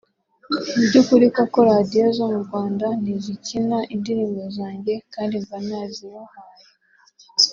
Mu by’ukuri koko Radio zo mu Rwanda ntizikina indirimbo zanjye kandi mba nazibahaye